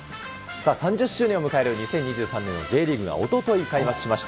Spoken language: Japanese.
３０周年を迎える２０２３年のＪリーグがおととい、開幕しました。